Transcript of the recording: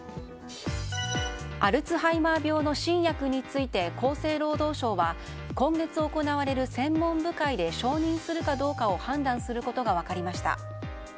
アルツハイマー病の新薬について厚生労働省は今月行われる専門部会で承認するかどうかを判断することが分かりました。